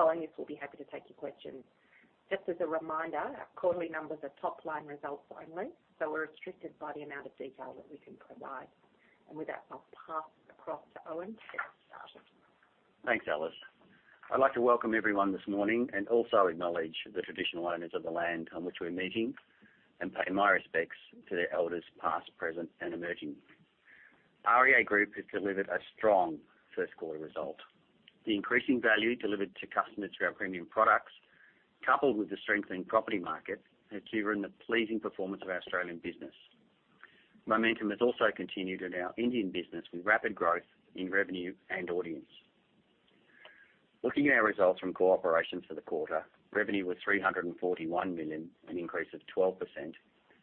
Following this, we'll be happy to take your questions. Just as a reminder, our quarterly numbers are top-line results only, so we're restricted by the amount of detail that we can provide. With that, I'll pass across to Owen to get started. Thanks, Alice. I'd like to welcome everyone this morning and also acknowledge the traditional owners of the land on which we're meeting, and pay my respects to their elders, past, present, and emerging. REA Group has delivered a strong first quarter result. The increasing value delivered to customers through our premium products, coupled with the strengthening property market, have driven the pleasing performance of our Australian business. Momentum has also continued in our Indian business, with rapid growth in revenue and audience. Looking at our results from core operations for the quarter, revenue was 341 million, an increase of 12%,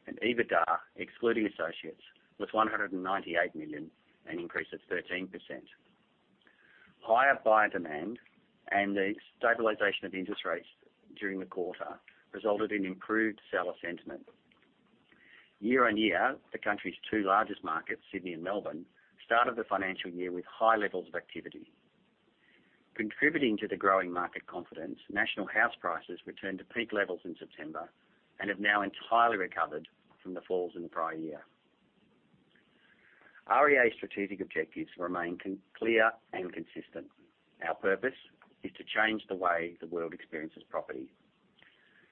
and EBITDA, excluding associates, was 198 million, an increase of 13%. Higher buyer demand and the stabilization of interest rates during the quarter resulted in improved seller sentiment. Year-on-year, the country's two largest markets, Sydney and Melbourne, started the financial year with high levels of activity. Contributing to the growing market confidence, national house prices returned to peak levels in September and have now entirely recovered from the falls in the prior year. REA strategic objectives remain clear and consistent. Our purpose is to change the way the world experiences property.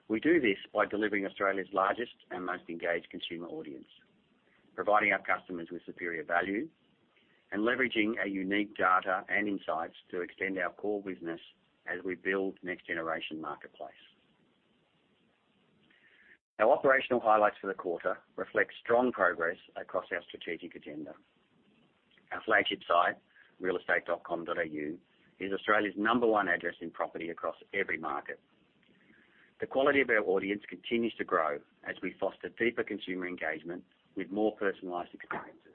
We do this by delivering Australia's largest and most engaged consumer audience, providing our customers with superior value, and leveraging our unique data and insights to extend our core business as we build next-generation marketplace. Our operational highlights for the quarter reflect strong progress across our strategic agenda. Our flagship site, realestate.com.au, is Australia's number one address in property across every market. The quality of our audience continues to grow as we foster deeper consumer engagement with more personalized experiences.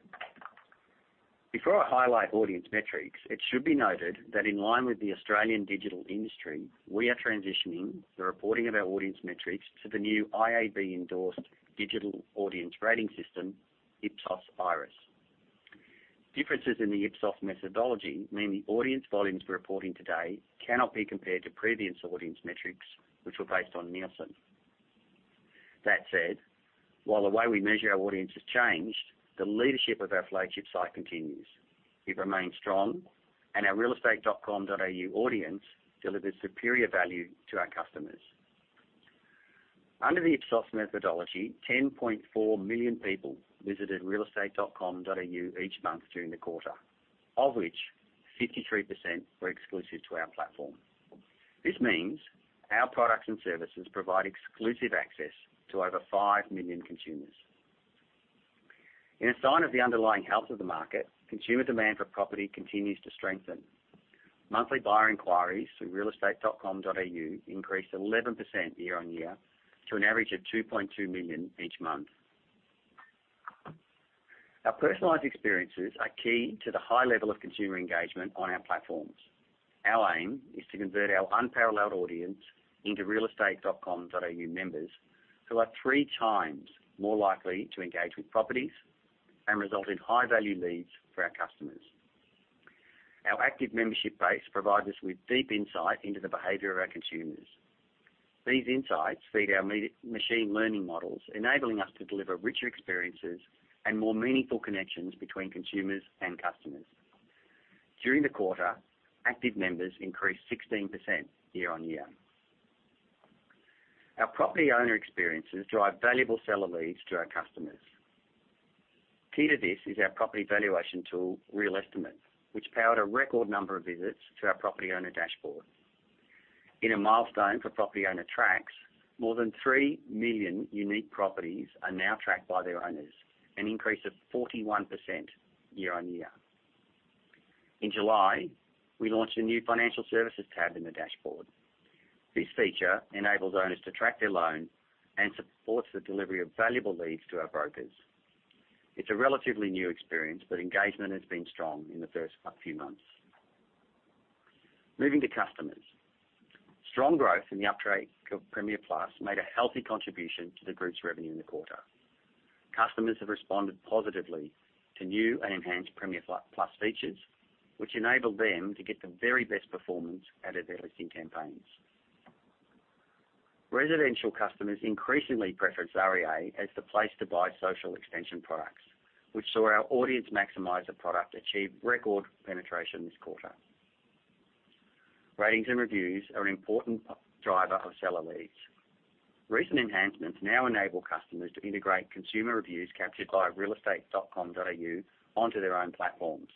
Before I highlight audience metrics, it should be noted that in line with the Australian digital industry, we are transitioning the reporting of our audience metrics to the new IAB-endorsed digital audience rating system, Ipsos Iris. Differences in the Ipsos methodology mean the audience volumes we're reporting today cannot be compared to previous audience metrics, which were based on Nielsen. That said, while the way we measure our audience has changed, the leadership of our flagship site continues. We remain strong, and our realestate.com.au audience delivers superior value to our customers. Under the Ipsos methodology, 10.4 million people visited realestate.com.au each month during the quarter, of which 53% were exclusive to our platform. This means our products and services provide exclusive access to over five million consumers. In a sign of the underlying health of the market, consumer demand for property continues to strengthen. Monthly buyer inquiries through realestate.com.au increased 11% year-on-year to an average of 2.2 million each month. Our personalized experiences are key to the high level of consumer engagement on our platforms. Our aim is to convert our unparalleled audience into realestate.com.au members, who are 3x more likely to engage with properties and result in high-value leads for our customers. Our active membership base provides us with deep insight into the behavior of our consumers. These insights feed our machine learning models, enabling us to deliver richer experiences and more meaningful connections between consumers and customers. During the quarter, active members increased 16% year-on-year. Our property owner experiences drive valuable seller leads to our customers. Key to this is our property valuation tool, realEstimate, which powered a record number of visits to our property owner dashboard. In a milestone for PropTrack, more than three million unique properties are now tracked by their owners, an increase of 41% year-on-year. In July, we launched a new financial services tab in the dashboard. This feature enables owners to track their loan and supports the delivery of valuable leads to our brokers. It's a relatively new experience, but engagement has been strong in the first few months. Moving to customers. Strong growth in the uptake of Premier Plus made a healthy contribution to the group's revenue in the quarter. Customers have responded positively to new and enhanced Premier Plus features, which enable them to get the very best performance out of their listing campaigns. Residential customers increasingly preference REA as the place to buy social extension products, which saw our Audience Maximizer product achieve record penetration this quarter. Ratings and reviews are an important driver of seller leads. Recent enhancements now enable customers to integrate consumer reviews captured by realestate.com.au onto their own platforms.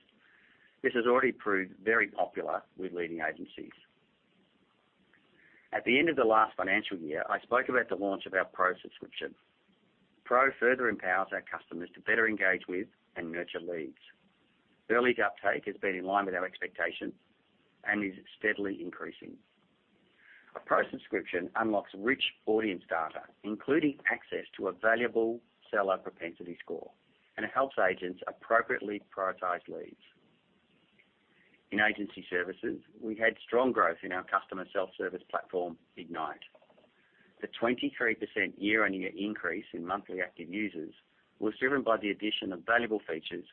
This has already proved very popular with leading agencies. At the end of the last financial year, I spoke about the launch of our Pro subscription. Pro further empowers our customers to better engage with and nurture leads. Early uptake has been in line with our expectations and is steadily increasing. A Pro subscription unlocks rich audience data, including access to a valuable seller propensity score, and helps agents appropriately prioritize leads. In agency services, we had strong growth in our customer self-service platform, Ignite... The 23% year-on-year increase in monthly active users was driven by the addition of valuable features,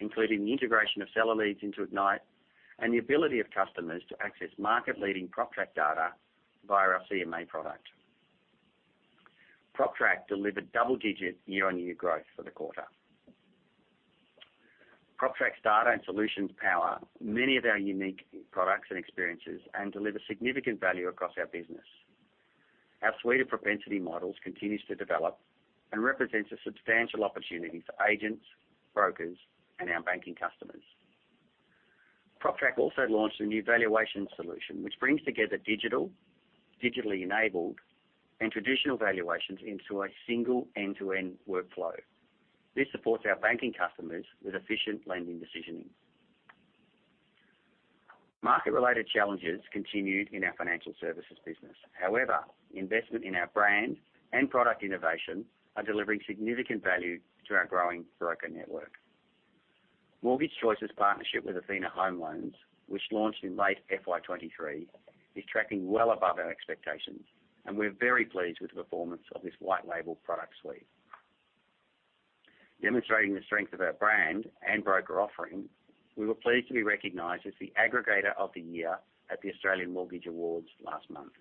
including the integration of seller leads into Ignite and the ability of customers to access market-leading PropTrack data via our CMA product. PropTrack delivered double-digit year-on-year growth for the quarter. PropTrack's data and solutions power many of our unique products and experiences and deliver significant value across our business. Our suite of propensity models continues to develop and represents a substantial opportunity for agents, brokers, and our banking customers. PropTrack also launched a new valuation solution, which brings together digital, digitally enabled, and traditional valuations into a single end-to-end workflow. This supports our banking customers with efficient lending decisioning. Market-related challenges continued in our financial services business. However, investment in our brand and product innovation are delivering significant value to our growing broker network. Mortgage Choice's partnership with Athena Home Loans, which launched in late FY 2023, is tracking well above our expectations, and we're very pleased with the performance of this white label product suite. Demonstrating the strength of our brand and broker offering, we were pleased to be recognized as the aggregator of the year at the Australian Mortgage Awards last month.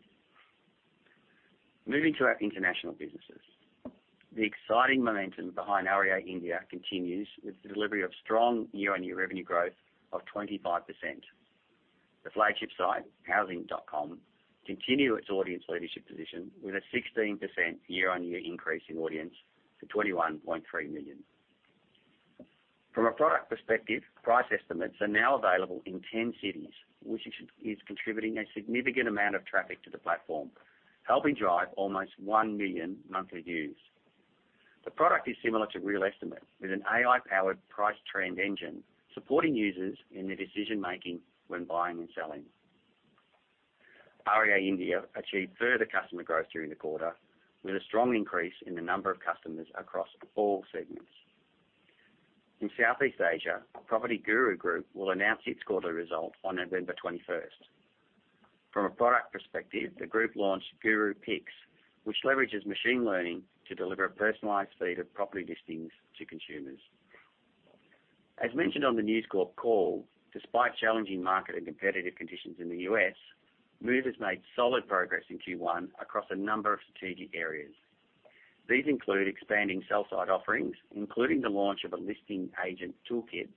Moving to our international businesses. The exciting momentum behind REA India continues with the delivery of strong year-on-year revenue growth of 25%. The flagship site, Housing.com, continue its audience leadership position with a 16% year-on-year increase in audience to 21.3 million. From a product perspective, price estimates are now available in 10 cities, which is contributing a significant amount of traffic to the platform, helping drive almost one million monthly views. The product is similar to realEstimate, with an AI-powered price trend engine, supporting users in their decision making when buying and selling. REA India achieved further customer growth during the quarter, with a strong increase in the number of customers across all segments. In Southeast Asia, PropertyGuru Group will announce its quarterly result on November 21st. From a product perspective, the group launched GuruPicks, which leverages machine learning to deliver a personalized feed of property listings to consumers. As mentioned on the News Corp call, despite challenging market and competitive conditions in the U.S., Move has made solid progress in Q1 across a number of strategic areas. These include expanding sell-side offerings, including the launch of a listing agent toolkit,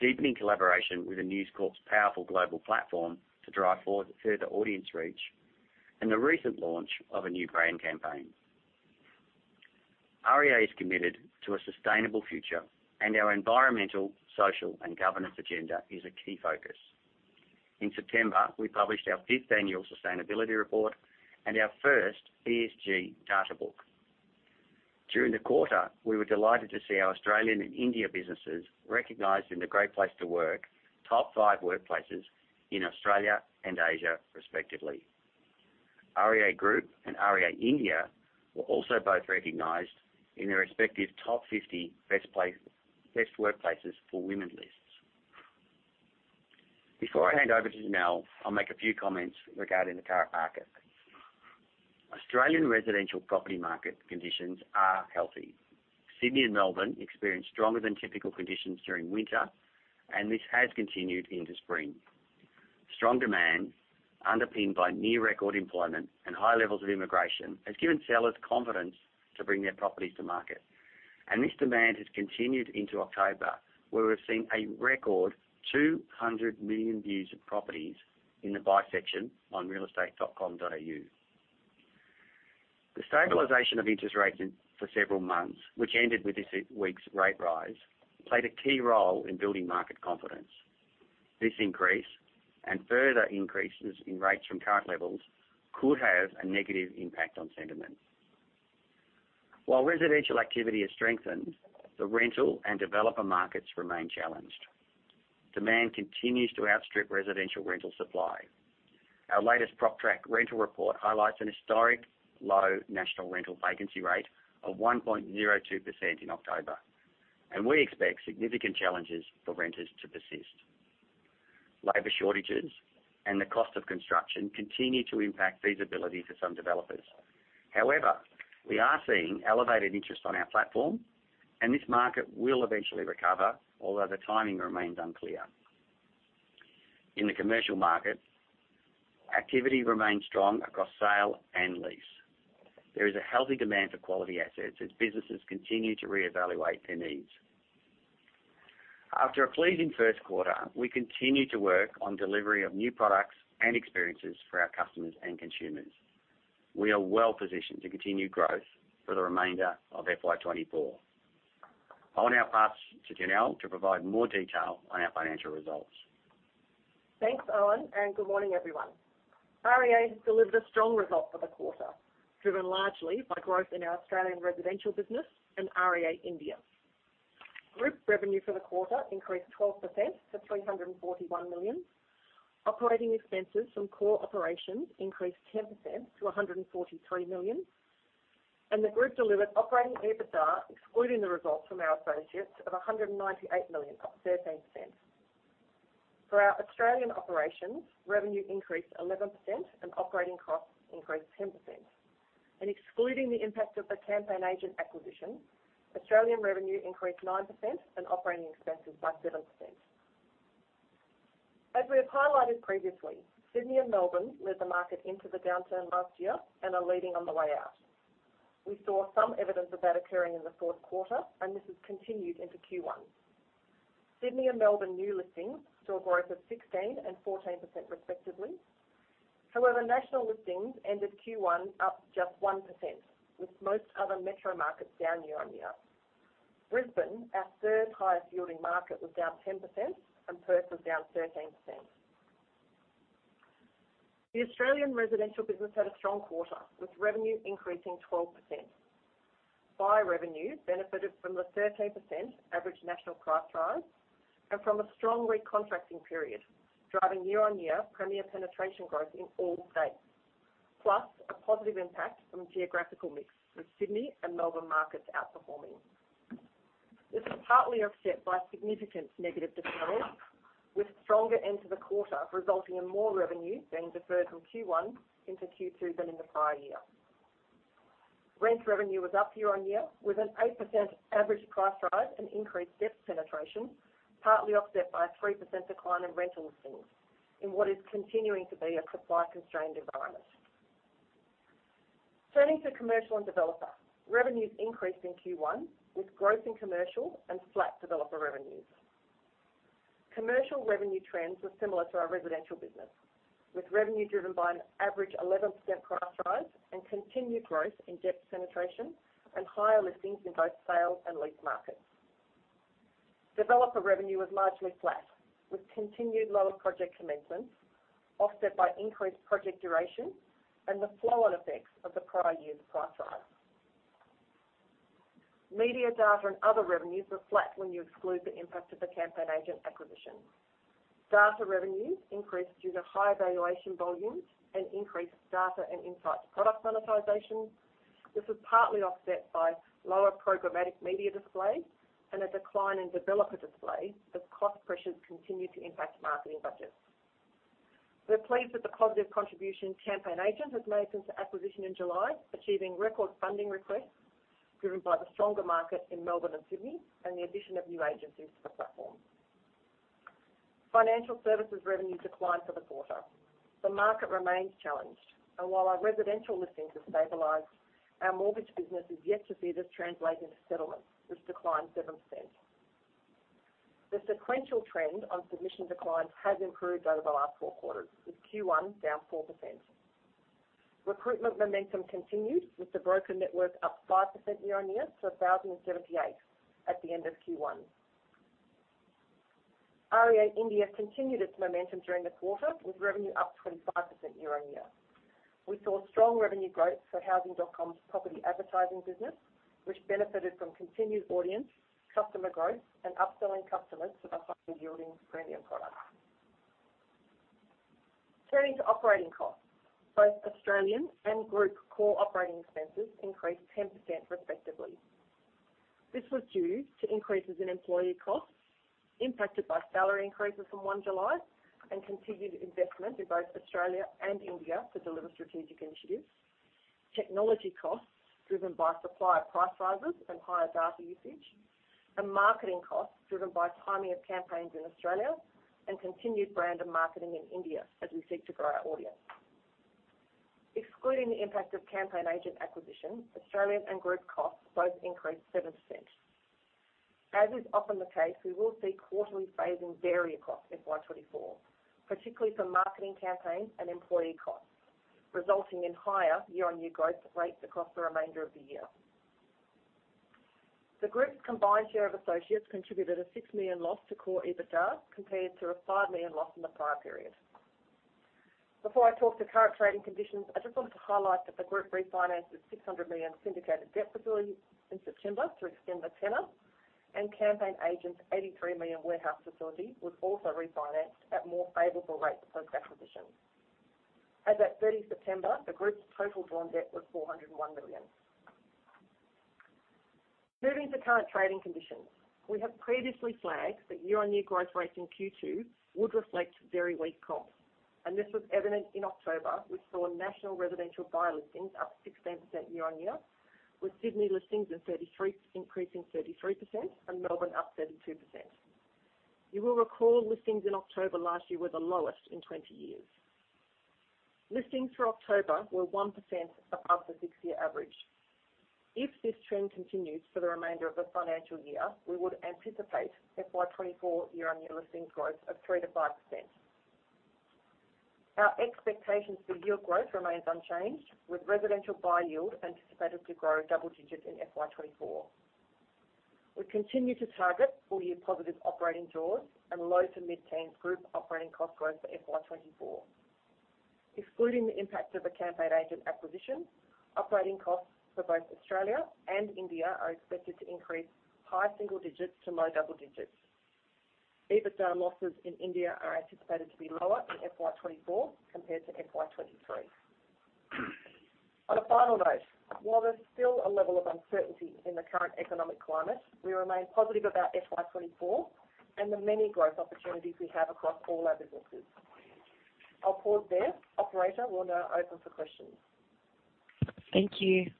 deepening collaboration with the News Corp's powerful global platform to drive forward further audience reach, and the recent launch of a new brand campaign. REA is committed to a sustainable future, and our environmental, social, and governance agenda is a key focus. In September, we published our fifth annual sustainability report and our first ESG data book. During the quarter, we were delighted to see our Australian and Indian businesses recognized in the Great Place to Work, Top Five Workplaces in Australia and Asia, respectively. REA Group and REA India were also both recognized in their respective top 50 best workplaces for women lists. Before I hand over to Janelle, I'll make a few comments regarding the current market. Australian residential property market conditions are healthy. Sydney and Melbourne experienced stronger than typical conditions during winter, and this has continued into spring. Strong demand, underpinned by near record employment and high levels of immigration, has given sellers confidence to bring their properties to market. This demand has continued into October, where we've seen a record 200 million views of properties in the buy section on realestate.com.au. The stabilization of interest rates for several months, which ended with this week's rate rise, played a key role in building market confidence. This increase and further increases in rates from current levels could have a negative impact on sentiment. While residential activity has strengthened, the rental and developer markets remain challenged. Demand continues to outstrip residential rental supply. Our latest PropTrack rental report highlights an historic low national rental vacancy rate of 1.02% in October, and we expect significant challenges for renters to persist. Labor shortages and the cost of construction continue to impact feasibility for some developers. However, we are seeing elevated interest on our platform, and this market will eventually recover, although the timing remains unclear. In the commercial market, activity remains strong across sale and lease. There is a healthy demand for quality assets as businesses continue to reevaluate their needs. After a pleasing first quarter, we continue to work on delivery of new products and experiences for our customers and consumers. We are well positioned to continue growth for the remainder of FY 2024. I'll now pass to Janelle to provide more detail on our financial results. Thanks, Owen, and good morning, everyone. REA has delivered a strong result for the quarter, driven largely by growth in our Australian residential business and REA India. Group revenue for the quarter increased 12% to 341 million. Operating expenses from core operations increased 10% to 143 million, and the group delivered operating EBITDA, excluding the results from our associates, of 198 million, up 13%. For our Australian operations, revenue increased 11% and operating costs increased 10%. Excluding the impact of the CampaignAgent acquisition, Australian revenue increased 9% and operating expenses by 7%. As we have highlighted previously, Sydney and Melbourne led the market into the downturn last year and are leading on the way out. We saw some evidence of that occurring in the fourth quarter, and this has continued into Q1. Sydney and Melbourne new listings saw a growth of 16% and 14%, respectively. However, national listings ended Q1 up just 1%, with most other metro markets down year-on-year. Brisbane, our third highest yielding market, was down 10% and Perth was down 13%. The Australian residential business had a strong quarter, with revenue increasing 12%. Buy revenue benefited from the 13% average national price rise and from a strong recontracting period, driving year-on-year premier penetration growth in all states, plus a positive impact from geographical mix, with Sydney and Melbourne markets outperforming. This is partly offset by significant negative channels, with stronger end to the quarter, resulting in more revenue being deferred from Q1 into Q2 than in the prior year. Rent revenue was up year-on-year, with an 8% average price rise and increased debt penetration, partly offset by a 3% decline in rental listings, in what is continuing to be a supply-constrained environment. Turning to commercial and developer. Revenues increased in Q1, with growth in commercial and flat developer revenues. Commercial revenue trends were similar to our residential business, with revenue driven by an average 11% price rise and continued growth in debt penetration and higher listings in both sales and lease markets. Developer revenue was largely flat, with continued lower project commencements, offset by increased project duration and the flow-on effects of the prior year's price rise. Media, data, and other revenues were flat when you exclude the impact of the CampaignAgent acquisition. Data revenues increased due to higher valuation volumes and increased data and insights product monetization. This was partly offset by lower programmatic media display and a decline in developer display, as cost pressures continue to impact marketing budgets. We're pleased with the positive contribution CampaignAgent has made since the acquisition in July, achieving record funding requests, driven by the stronger market in Melbourne and Sydney and the addition of new agencies to the platform. Financial services revenue declined for the quarter. The market remains challenged, and while our residential listings have stabilized, our mortgage business is yet to see this translate into settlements, which declined 7%. The sequential trend on submission declines has improved over the last four quarters, with Q1 down 4%. Recruitment momentum continued, with the broker network up 5% year-on-year to 1,078 at the end of Q1. REA India continued its momentum during the quarter, with revenue up 25% year-on-year. We saw strong revenue growth for Housing.com's property advertising business, which benefited from continued audience, customer growth, and upselling customers to the higher-yielding premium products. Turning to operating costs. Both Australian and group core operating expenses increased 10%, respectively. This was due to increases in employee costs, impacted by salary increases from 1 July, and continued investment in both Australia and India to deliver strategic initiatives, technology costs driven by supplier price rises and higher data usage, and marketing costs driven by timing of campaigns in Australia and continued brand and marketing in India as we seek to grow our audience. Excluding the impact of CampaignAgent acquisition, Australian and group costs both increased 7%. As is often the case, we will see quarterly phasing vary across FY 2024, particularly for marketing campaigns and employee costs, resulting in higher year-on-year growth rates across the remainder of the year. The group's combined share of associates contributed a 6 million loss to core EBITDA, compared to a 5 million loss in the prior period. Before I talk to current trading conditions, I just wanted to highlight that the group refinanced its 600 million syndicated debt facility in September to extend the tenor, and CampaignAgent's 83 million warehouse facility was also refinanced at more favorable rates post-acquisition. As at 30 September, the group's total drawn debt was 401 million. Moving to current trading conditions. We have previously flagged that year-on-year growth rates in Q2 would reflect very weak costs, and this was evident in October. We saw national residential buyer listings up 16% year-on-year, with Sydney listings increasing 33% and Melbourne up 32%. You will recall listings in October last year were the lowest in 20 years. Listings for October were 1% above the six-year average. If this trend continues for the remainder of the financial year, we would anticipate FY 2024 year-on-year listing growth of 3%-5%. Our expectations for yield growth remains unchanged, with residential buy yield anticipated to grow double-digits in FY 2024. We continue to target full-year positive operating jaws and low- to mid-teens group operating cost growth for FY 2024. Excluding the impact of the CampaignAgent acquisition, operating costs for both Australia and India are expected to increase high single-digits to low double-digits. EBITDA losses in India are anticipated to be lower in FY 2024 compared to FY 2023.... On a final note, while there's still a level of uncertainty in the current economic climate, we remain positive about FY 2024 and the many growth opportunities we have across all our businesses. I'll pause there. Operator, we'll now open for questions. Thank you.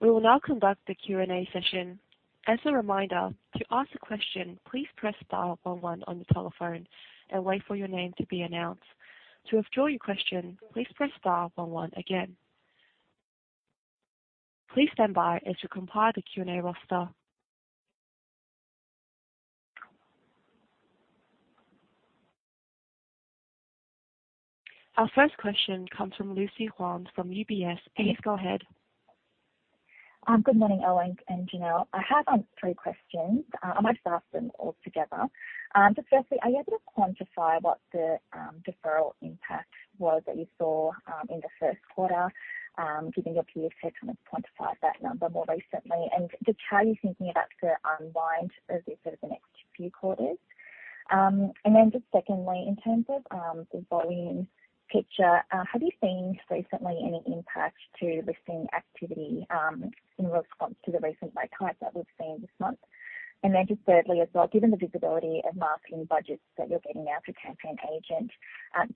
We will now conduct the Q&A session. As a reminder, to ask a question, please press star one on the telephone and wait for your name to be announced. To withdraw your question, please press star one one again. Please stand by as you compile the Q&A roster. Our first question comes from Lucy Huang from UBS. Please go ahead. Good morning, Owen and Janelle. I have three questions. I might just ask them all together. Just firstly, are you able to quantify what the deferral impact was that you saw in the first quarter? Given your peers have kind of quantified that number more recently, and just how are you thinking about the unwind of it sort of the next few quarters? And then just secondly, in terms of the volume picture, have you seen recently any impact to listing activity in response to the recent rate hike that we've seen this month? And then just thirdly, as well, given the visibility of marketing budgets that you're getting now through CampaignAgent,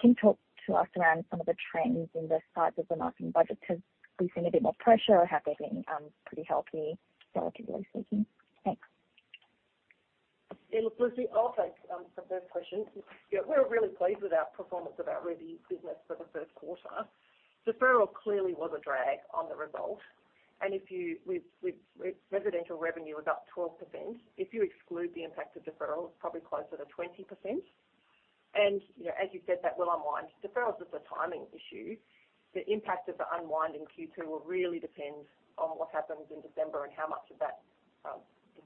can you talk to us around some of the trends in the size of the marketing budget? Have we seen a bit more pressure or have they been, pretty healthy, relatively speaking? Thanks. Yeah, look, Lucy, I'll take the first question. Yeah, we're really pleased with our performance of our rev business for the first quarter. Deferral clearly was a drag on the result, and if you, with residential revenue was up 12%. If you exclude the impact of deferrals, probably closer to 20%. And, you know, as you said, that will unwind. Deferrals is a timing issue. The impact of the unwind in Q2 will really depend on what happens in December and how much of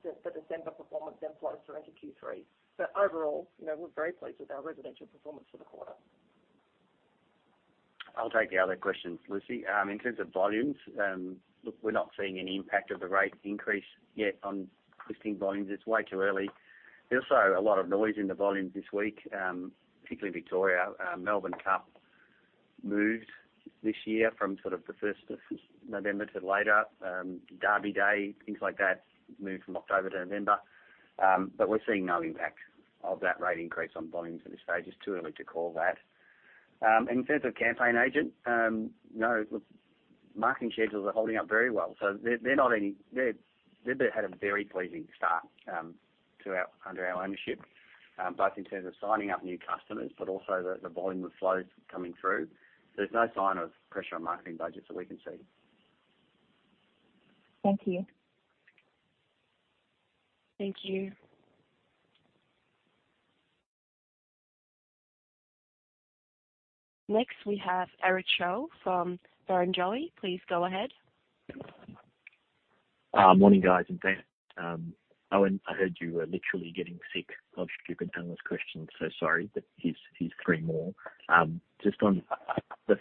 that, the December performance then flows through into Q3. But overall, you know, we're very pleased with our residential performance for the quarter. I'll take the other question, Lucy. In terms of volumes, look, we're not seeing any impact of the rate increase yet on listing volumes. It's way too early. There's also a lot of noise in the volumes this week, particularly Victoria. Melbourne Cup moved this year from sort of the first of November to later. Derby Day, things like that, moved from October to November. But we're seeing no impact of that rate increase on volumes at this stage. It's too early to call that. In terms of CampaignAgent, no, look, marketing schedules are holding up very well, so they're not any - they've had a very pleasing start under our ownership, both in terms of signing up new customers, but also the volume of flows coming through. There's no sign of pressure on marketing budgets that we can see. Thank you. Thank you. Next, we have Eric Choi from Barrenjoey. Please go ahead. Morning, guys, and thanks. Owen, I heard you were literally getting sick of stupid analyst questions, so sorry, but here's three more. Just on the-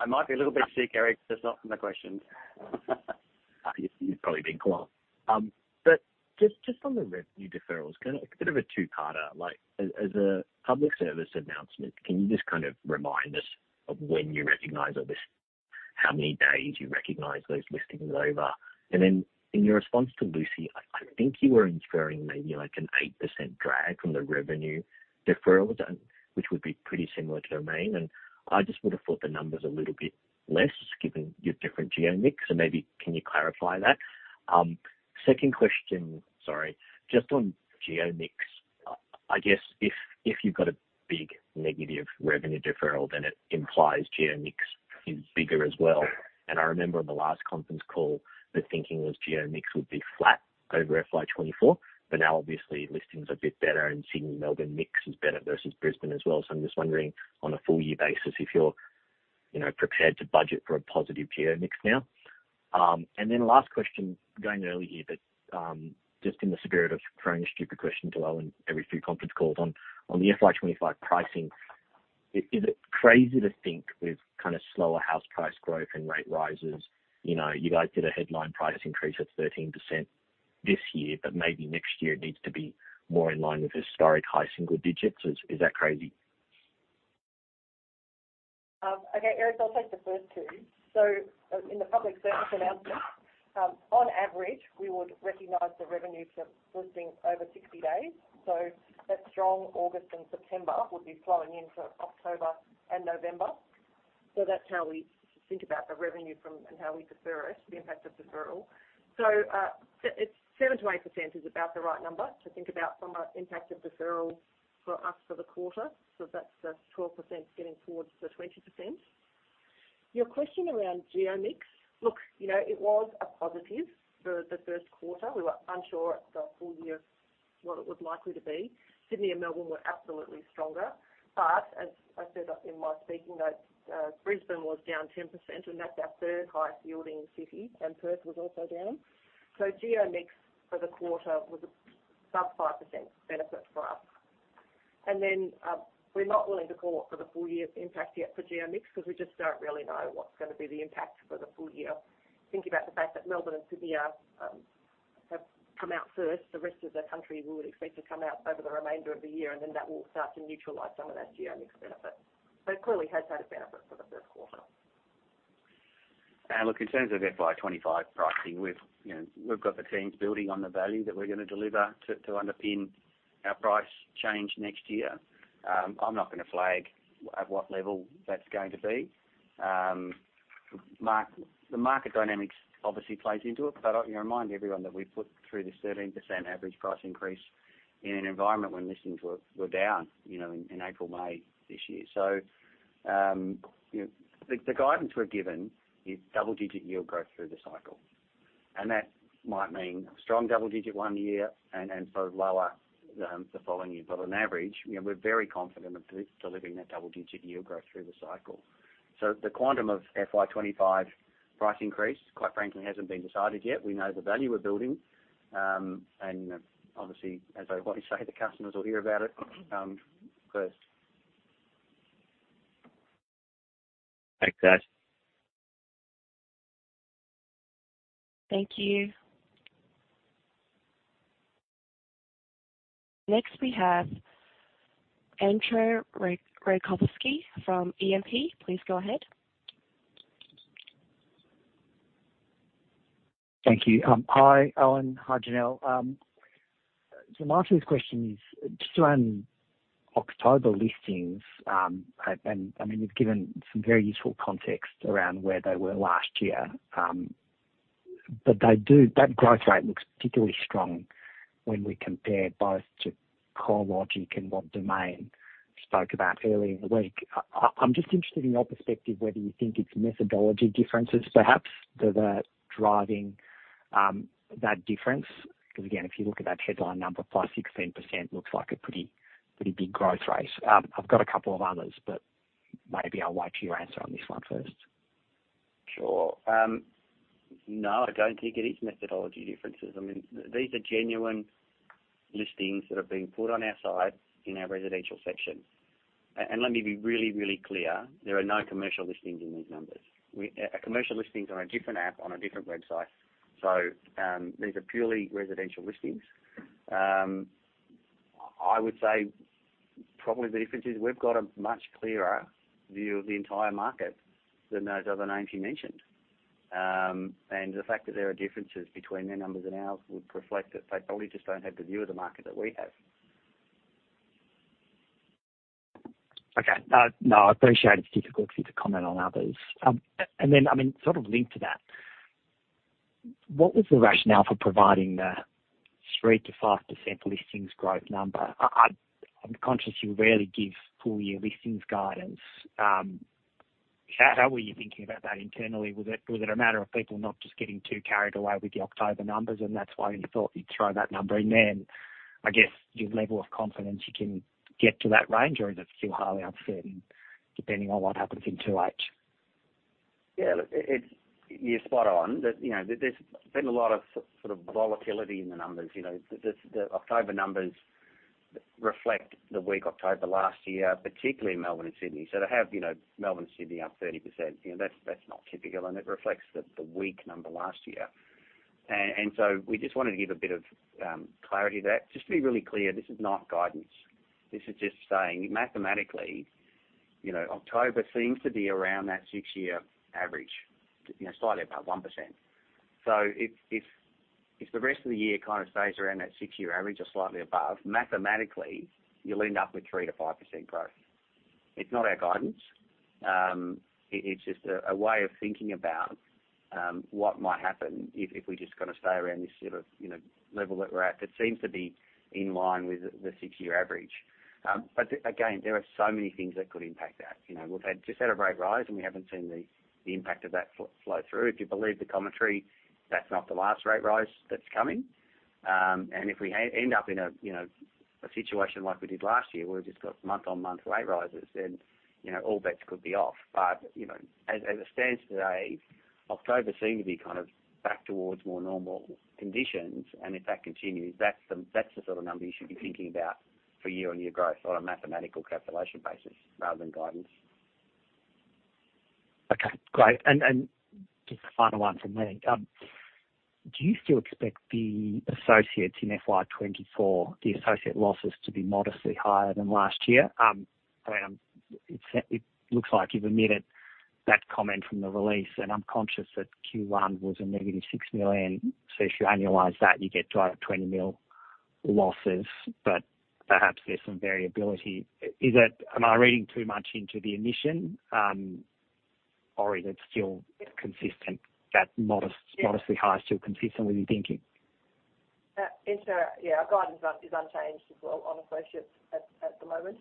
I might be a little bit sick, Eric, but it's not from the questions. You've probably been gone. But just on the revenue deferrals, a bit of a two-parter, like, as a public service announcement, can you just kind of remind us of when you recognize, or just how many days you recognize those listings over? And then in your response to Lucy, I think you were inferring maybe like an 8% drag from the revenue deferrals, and which would be pretty similar to Domain. And I just would have thought the number's a little bit less, given your different geo mix. So maybe can you clarify that? Second question, sorry, just on geo mix. I guess, if you've got a big negative revenue deferral, then it implies geo mix is bigger as well. I remember on the last conference call, the thinking was geo mix would be flat over FY 2024, but now obviously listings are a bit better, and Sydney, Melbourne mix is better versus Brisbane as well. So I'm just wondering, on a full year basis, if you're, you know, prepared to budget for a positive geo mix now? And then last question, going early here, but, just in the spirit of throwing stupid questions at Owen every few conference calls. On the FY 2025 pricing, is it crazy to think with kind of slower house price growth and rate rises, you know, you guys did a headline price increase at 13% this year, but maybe next year it needs to be more in line with historic high single-digits. Is that crazy? Okay, Eric, I'll take the first two. So in the public service announcement, on average, we would recognize the revenue for listings over 60 days. So that strong August and September would be flowing into October and November. So that's how we think about the revenue from, and how we defer it, the impact of deferral. So, it's 7%-8% is about the right number to think about from an impact of deferral for us for the quarter. So that's the 12% getting towards the 20%. Your question around geo mix. Look, you know, it was a positive for the first quarter. We were unsure the full year, what it was likely to be. Sydney and Melbourne were absolutely stronger. But as I said, in my speaking, that, Brisbane was down 10% and that's our third highest yielding city, and Perth was also down. So geo mix for the quarter was a sub 5% benefit for us. And then, we're not willing to call it for the full year's impact yet for geo mix, because we just don't really know what's going to be the impact for the full year. Think about the fact that Melbourne and Sydney are, have come out first, the rest of the country we would expect to come out over the remainder of the year, and then that will start to neutralize some of that geo mix benefit. But it clearly has had a benefit for the first quarter. And look, in terms of FY 2025 pricing, you know, we've got the teams building on the value that we're going to deliver to underpin our price change next year. I'm not going to flag at what level that's going to be. Market dynamics obviously plays into it, but I, you know, remind everyone that we put through this 13% average price increase in an environment when listings were down, you know, in April, May this year. So, you know, the guidance we're given is double-digit yield growth through the cycle, and that might mean strong double-digit one year and so lower than the following year. But on average, you know, we're very confident of delivering that double-digit yield growth through the cycle. So the quantum of FY 2025 price increase, quite frankly, hasn't been decided yet. We know the value we're building. And obviously, as I always say, the customers will hear about it first. Thanks, guys. Thank you. Next, we have Entcho Raykovski from E&P. Please go ahead. Thank you. Hi, Owen. Hi, Janelle. So my first question is just around October listings. And I mean, you've given some very useful context around where they were last year, but they do- That growth rate looks particularly strong when we compare both to CoreLogic and what Domain spoke about earlier in the week. I'm just interested in your perspective, whether you think it's methodology differences, perhaps, that are driving that difference. Because, again, if you look at that headline number, +16% looks like a pretty, pretty big growth rate. I've got a couple of others, but maybe I'll wait for your answer on this one first. Sure. No, I don't think it is methodology differences. I mean, these are genuine listings that are being put on our site in our residential section. Let me be really, really clear: there are no commercial listings in these numbers. We, our commercial listings are on a different app, on a different website. So, these are purely residential listings. I would say probably the difference is we've got a much clearer view of the entire market than those other names you mentioned. The fact that there are differences between their numbers and ours would reflect that they probably just don't have the view of the market that we have. Okay. No, I appreciate its difficulty to comment on others. And then, I mean, sort of linked to that, what was the rationale for providing the 3%-5% listings growth number? I'm conscious you rarely give full year listings guidance. How were you thinking about that internally? Was it a matter of people not just getting too carried away with the October numbers, and that's why you thought you'd throw that number in there? And I guess, your level of confidence you can get to that range, or is it still highly uncertain depending on what happens in 2H? Yeah, it's. You're spot on. That, you know, there's been a lot of sort of volatility in the numbers. You know, the October numbers reflect the weak October last year, particularly in Melbourne and Sydney. So to have, you know, Melbourne and Sydney up 30%, you know, that's not typical, and it reflects the weak number last year. And so we just wanted to give a bit of clarity there. Just to be really clear, this is not guidance. This is just saying mathematically, you know, October seems to be around that six-year average, you know, slightly above 1%. So if the rest of the year kind of stays around that six-year average or slightly above, mathematically, you'll end up with 3%-5% growth. It's not our guidance. It's just a way of thinking about what might happen if we just kind of stay around this sort of, you know, level that we're at, that seems to be in line with the six-year average. But again, there are so many things that could impact that. You know, we've just had a rate rise, and we haven't seen the impact of that flow through. If you believe the commentary, that's not the last rate rise that's coming. And if we end up in a, you know, situation like we did last year, where we just got month-on-month rate rises, then, you know, all bets could be off. But, you know, as it stands today, October seems to be kind of back towards more normal conditions. If that continues, that's the sort of number you should be thinking about for year-on-year growth on a mathematical calculation basis rather than guidance. Okay, great. And just the final one from me. Do you still expect the associates in FY 2024, the associate losses to be modestly higher than last year? It looks like you've omitted that comment from the release, and I'm conscious that Q1 was a -6 million. So if you annualize that, you get to 20 million losses, but perhaps there's some variability. Am I reading too much into the omission, or is it still consistent, that modestly high is still consistent with your thinking? Entcho, yeah, our guidance is unchanged as well on associates at the moment.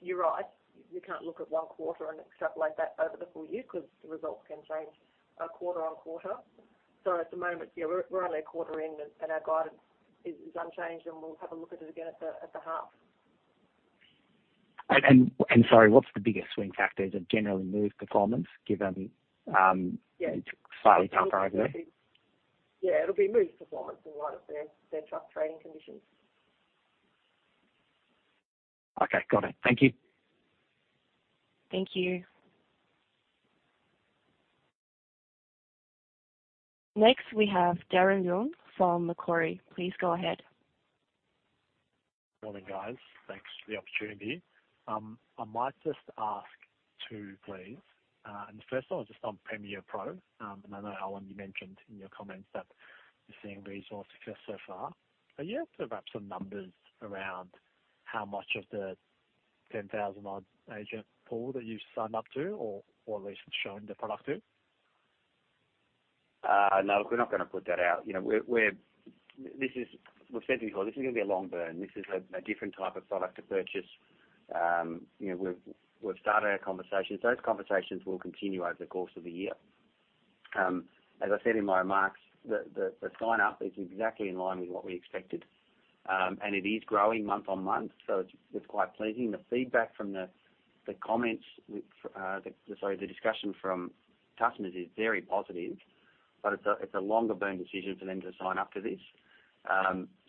You're right, we can't look at one quarter and extrapolate that over the full year because the results can change quarter-over-quarter. So at the moment, yeah, we're only a quarter in, and our guidance is unchanged, and we'll have a look at it again at the half. Sorry, what's the biggest swing factors of general Move performance, given? Yeah. Slightly tougher over there? Yeah, it'll be Move performance and what is their current trading conditions.... Okay, got it. Thank you. Thank you. Next, we have Darren Leung from Macquarie. Please go ahead. Morning, guys. Thanks for the opportunity. I might just ask two, please. The first one is just on Premier Pro. I know, Owen, you mentioned in your comments that you're seeing resource success so far. But do you have perhaps some numbers around how much of the 10,000-odd agent pool that you've signed up to, or at least shown the product to? No, we're not going to put that out. You know, we're—this is, we've said before, this is going to be a long burn. This is a different type of product to purchase. You know, we've started our conversations. Those conversations will continue over the course of the year. As I said in my remarks, the sign up is exactly in line with what we expected, and it is growing month-on-month, so it's quite pleasing. The feedback from the discussion from customers is very positive, but it's a longer burn decision for them to sign up to this.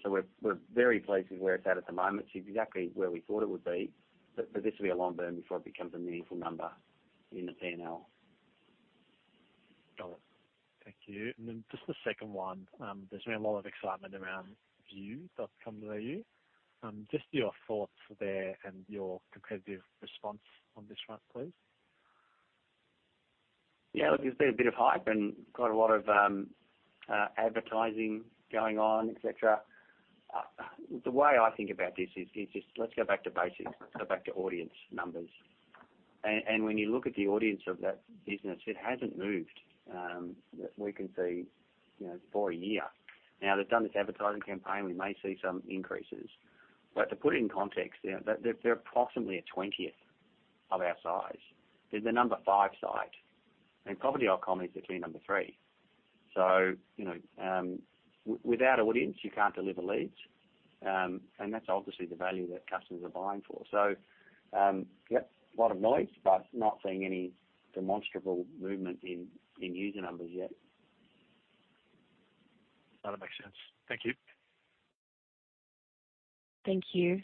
So we're very pleased with where it's at the moment. It's exactly where we thought it would be, but, but this will be a long burn before it becomes a meaningful number in the P&L. Got it. Thank you. And then just the second one, there's been a lot of excitement around View.com.au. Just your thoughts there and your competitive response on this front, please. Yeah, look, there's been a bit of hype and quite a lot of advertising going on, et cetera. The way I think about this is, is just let's go back to basics. Let's go back to audience numbers. And when you look at the audience of that business, it hasn't moved, that we can see, you know, for a year. Now, they've done this advertising campaign, we may see some increases. But to put it in context, you know, they're approximately a twentieth of our size. They're the number five site, and Domain is commonly number three. So, you know, without audience, you can't deliver leads. And that's obviously the value that customers are buying for. So, yep, a lot of noise, but not seeing any demonstrable movement in user numbers yet. That makes sense. Thank you. Thank you.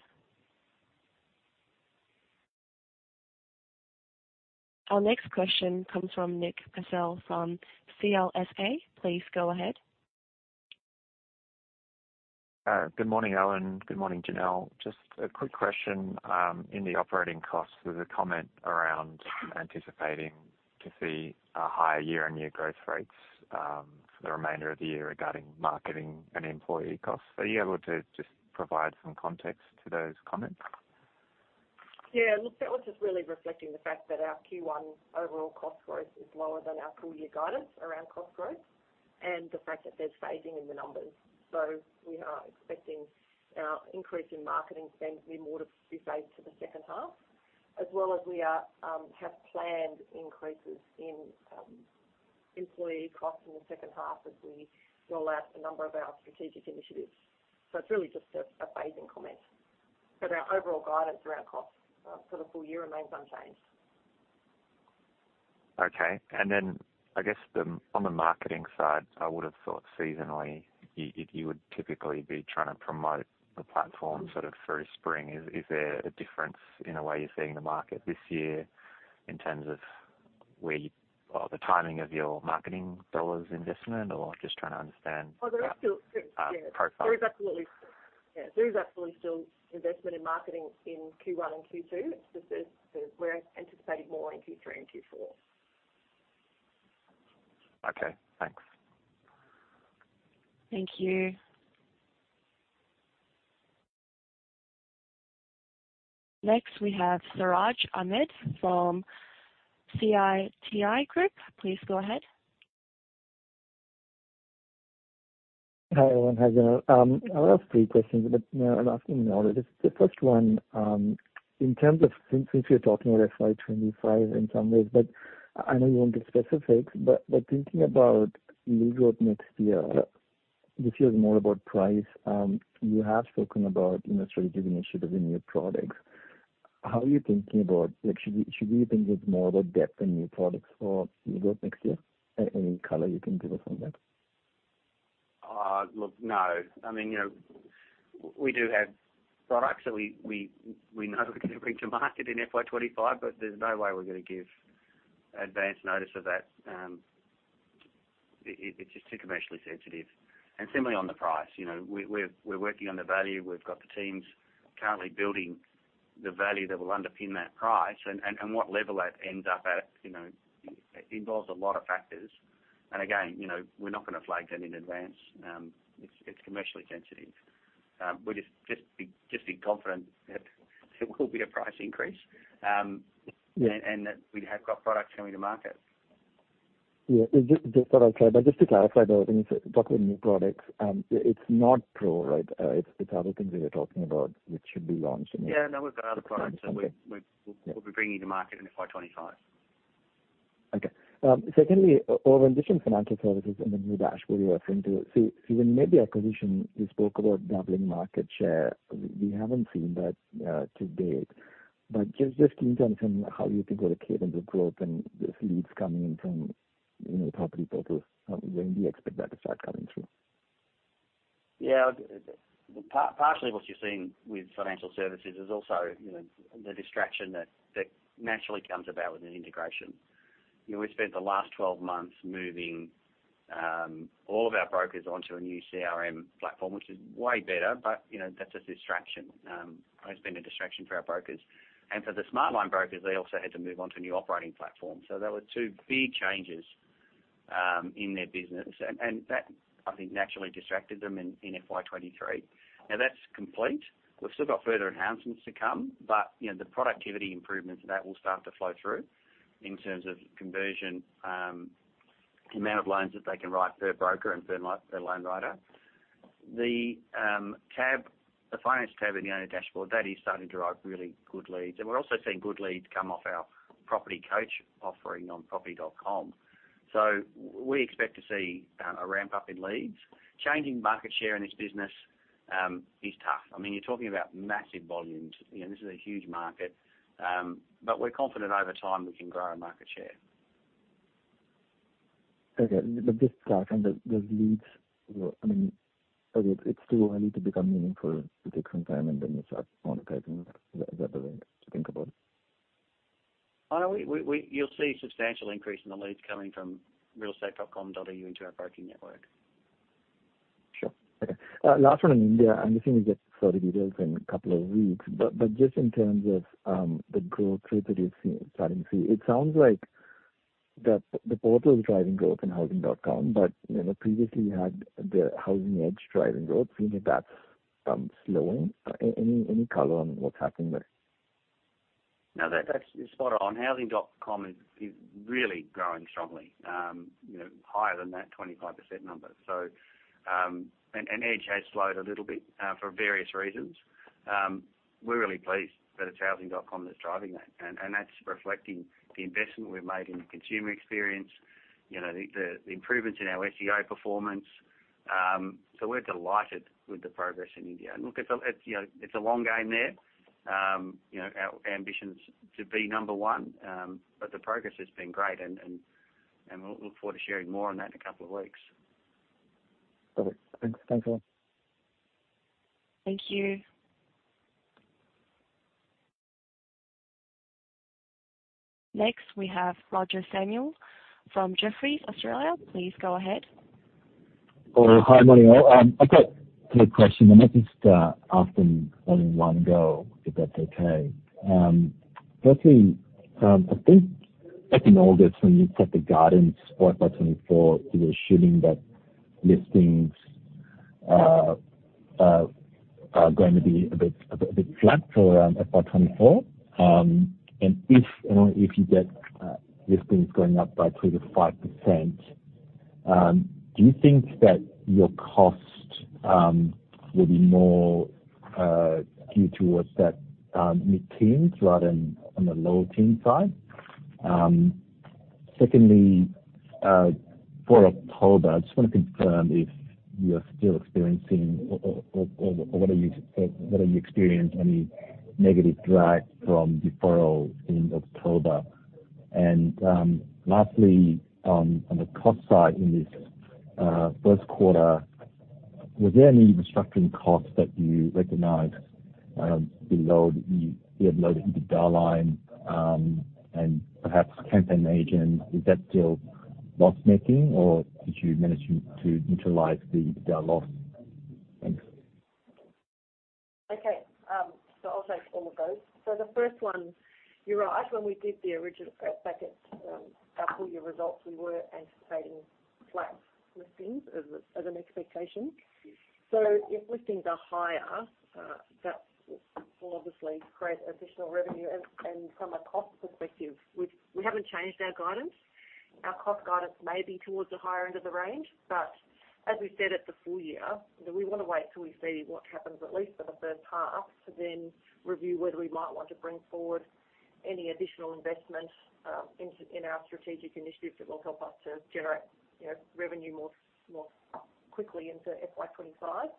Our next question comes from Nick Basile from CLSA. Please go ahead. Good morning, Owen. Good morning, Janelle. Just a quick question, in the operating costs, there's a comment around anticipating to see a higher year-on-year growth rates, for the remainder of the year regarding marketing and employee costs. Are you able to just provide some context to those comments? Yeah, look, that was just really reflecting the fact that our Q1 overall cost growth is lower than our full year guidance around cost growth and the fact that there's phasing in the numbers. So we are expecting our increase in marketing spend to be more phased to the second half, as well as we have planned increases in employee costs in the second half as we roll out a number of our strategic initiatives. So it's really just a phasing comment. But our overall guidance around costs for the full year remains unchanged. Okay. And then I guess the, on the marketing side, I would have thought seasonally you would typically be trying to promote the platform sort of through spring. Is there a difference in the way you're seeing the market this year in terms of where you or the timing of your marketing dollars investment? Or just trying to understand- Oh, there is still, yeah. Uh, profile. There is absolutely, yeah, there is absolutely still investment in marketing in Q1 and Q2. It's just that we're anticipating more in Q3 and Q4. Okay, thanks. Thank you. Next, we have Siraj Ahmed from Citigroup. Please go ahead. Hi, everyone. How are you doing? I have three questions, but, you know, I'm asking now. The first one, in terms of since you're talking about FY 2025 in some ways, but I know you won't get specifics. But thinking about new growth next year, this year is more about price. You have spoken about, you know, strategic initiatives in your products. How are you thinking about—like, should you, should we think it's more about depth in new products for growth next year? Any color you can give us on that? Look, no. I mean, you know, we do have products that we know we're going to bring to market in FY 2025, but there's no way we're going to give advance notice of that. It's just too commercially sensitive. And similarly, on the price, you know, we're working on the value. We've got the teams currently building the value that will underpin that price and what level that ends up at, you know, involves a lot of factors. And again, you know, we're not going to flag that in advance. It's commercially sensitive. We're just be confident that there will be a price increase. Yeah.... and that we have got products coming to market. Yeah, just what I'd say, but just to clarify, though, when you talk about new products, it's not Pro, right? It's other things that you're talking about, which should be launching. Yeah, no, we've got other products that we'll be bringing to market in FY 2025. Okay. Secondly, over in the Financial Services and the new division where you are referring to. So, when the acquisition, you spoke about doubling market share. We haven't seen that to date. But just, can you tell us how you think about the cadence of growth and these leads coming in from, you know, Property Portal, when do you expect that to start coming through?... Yeah, partially what you're seeing with Financial Services is also, you know, the distraction that naturally comes about with an integration. You know, we spent the last 12 months moving all of our brokers onto a new CRM platform, which is way better, but, you know, that's a distraction. It's been a distraction for our brokers. And for the Smartline brokers, they also had to move on to a new operating platform. So there were two big changes in their business, and that, I think, naturally distracted them in FY 2023. Now that's complete. We've still got further enhancements to come, but, you know, the productivity improvements, that will start to flow through in terms of conversion, the amount of loans that they can write per broker and per loan writer. The tab, the finance tab in the owner dashboard, that is starting to drive really good leads. And we're also seeing good leads come off our property coach offering on property.com.au. So we expect to see a ramp-up in leads. Changing market share in this business is tough. I mean, you're talking about massive volumes. You know, this is a huge market, but we're confident over time we can grow our market share. Okay. But just, those leads, I mean, it's too early to become meaningful to take some time, and then you start monetizing that, to think about? Oh, no, you'll see a substantial increase in the leads coming from realestate.com.au into our brokering network. Sure. Okay, last one on India. I'm just going to get further details in a couple of weeks. But just in terms of the growth rate that you're seeing, starting to see, it sounds like that the portal is driving growth in Housing.com, but you know, previously you had the Housing Edge driving growth. Do you think that's slowing? Any color on what's happened there? No, that's, that's spot on. Housing.com is, is really growing strongly, you know, higher than that 25% number. So, and, and Edge has slowed a little bit, for various reasons. We're really pleased that it's housing.com that's driving that, and, and that's reflecting the investment we've made in the consumer experience, you know, the, the improvements in our SEO performance. So we're delighted with the progress in India. And look, it's a, it's, you know, it's a long game there. You know, our ambition is to be number one, but the progress has been great, and, and, and we'll look forward to sharing more on that in a couple of weeks. Got it. Thanks. Thanks, a lot. Thank you. Next, we have Roger Samuel from Jefferies, Australia. Please go ahead. Oh, hi, morning. I've got three questions, and let me just ask them all in one go, if that's okay. Firstly, I think back in August, when you set the guidance for FY 2024, you were assuming that listings are going to be a bit flat for FY 2024. And if, you know, if you get listings going up by 3%-5%, do you think that your cost will be more geared towards that mid-teens rather than on the low teen side? Secondly, for October, I just want to confirm if you are still experiencing or what are you experiencing any negative drag from deferral in October? Lastly, on the cost side in this first quarter, were there any restructuring costs that you recognized below the line you have loaded into the line, and perhaps CampaignAgent, is that still loss-making, or did you manage to utilize the line loss? Thanks. Okay, so I'll take all of those. So the first one, you're right. When we did the original press packet, our full year results, we were anticipating flat listings as a, as an expectation. So if listings are higher, that will obviously create additional revenue. And, and from a cost perspective, we've we haven't changed our guidance. Our cost guidance may be towards the higher end of the range, but as we said at the full year, that we want to wait till we see what happens, at least for the first half, to then review whether we might want to bring forward any additional investment, in, in our strategic initiatives that will help us to generate, you know, revenue more, more quickly into FY 2025.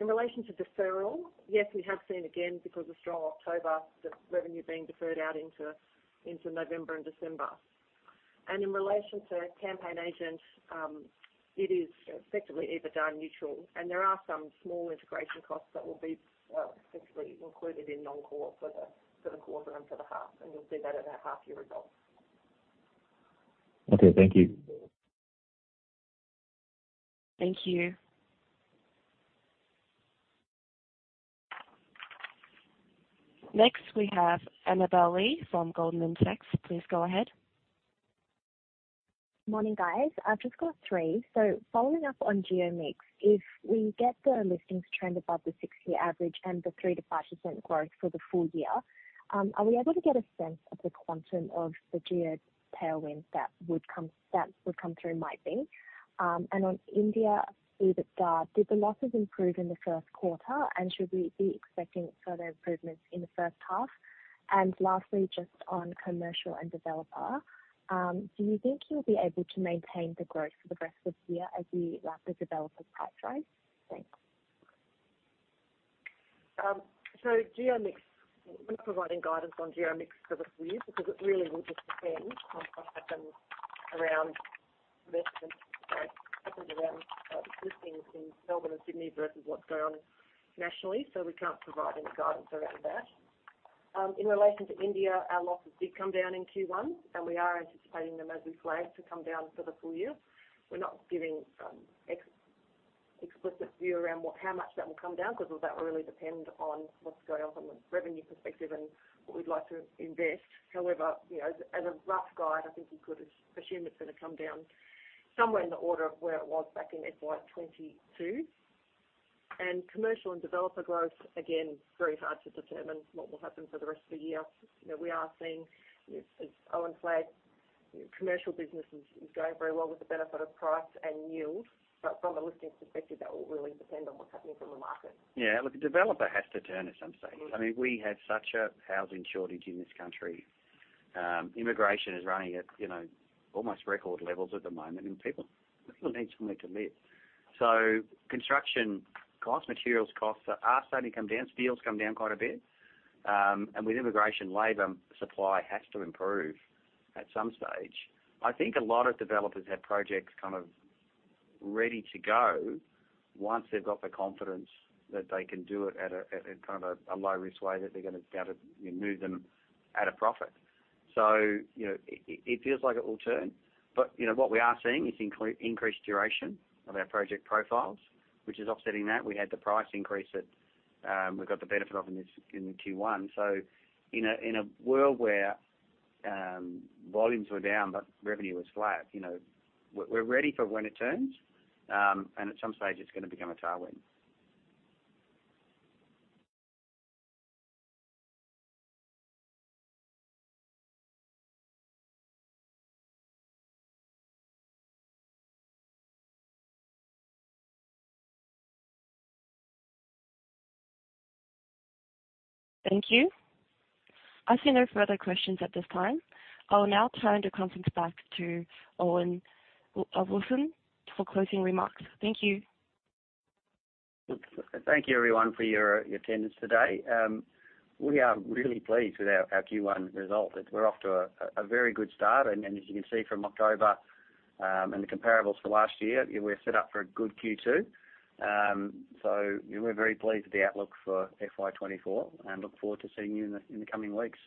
In relation to deferral, yes, we have seen again, because of strong October, the revenue being deferred out into, into November and December. And in relation to CampaignAgent, it is effectively EBITDA neutral, and there are some small integration costs that will be, essentially included in non-core for the, for the quarter and for the half, and you'll see that in our half year results. Okay, thank you. Thank you. Next, we have Annabelle Lee from Goldman Sachs. Please go ahead. Morning, guys. I've just got three. So following up on geo mix, if we get the listings trend above the six-year average and the 3%-5% growth for the full year, are we able to get a sense of the quantum of the geo tailwind that would come, that would come through in my thing? And on India, EBITDA, did the losses improve in the first quarter, and should we be expecting further improvements in the first half? And lastly, just on commercial and developer, do you think you'll be able to maintain the growth for the rest of the year as you wrap the developer's pipeline? Thanks.... So GeoMix, we're not providing guidance on GeoMix for the full year, because it really will just depend on what happens around investment, what happens around listings in Melbourne and Sydney versus what's going on nationally. So we can't provide any guidance around that. In relation to India, our losses did come down in Q1, and we are anticipating them as we flagged, to come down for the full year. We're not giving explicit view around how much that will come down, because that will really depend on what's going on from a revenue perspective and what we'd like to invest. However, you know, as a rough guide, I think you could assume it's going to come down somewhere in the order of where it was back in FY 2022. Commercial and developer growth, again, very hard to determine what will happen for the rest of the year. You know, we are seeing, as Owen flagged, commercial business is going very well with the benefit of price and yield. But from a listings perspective, that will really depend on what's happening in the market. Yeah, look, the developer has to turn at some stage. I mean, we have such a housing shortage in this country. Immigration is running at, you know, almost record levels at the moment, and people, people need somewhere to live. So construction costs, materials costs are starting to come down. Steel's come down quite a bit. And with immigration, labor supply has to improve at some stage. I think a lot of developers have projects kind of ready to go once they've got the confidence that they can do it at a, at a kind of a, a low risk way, that they're gonna be able to, you know, move them at a profit. So, you know, it, it, it feels like it will turn, but, you know, what we are seeing is increased duration of our project profiles, which is offsetting that. We had the price increase that we've got the benefit of in this, in a world where volumes were down, but revenue was flat, you know, we're ready for when it turns, and at some stage it's going to become a tailwind. Thank you. I see no further questions at this time. I will now turn the conference back to Owen Wilson for closing remarks. Thank you. Thank you, everyone, for your attendance today. We are really pleased with our Q1 result. We're off to a very good start, and as you can see from October and the comparables for last year, we're set up for a good Q2. So we're very pleased with the outlook for FY 2024 and look forward to seeing you in the coming weeks.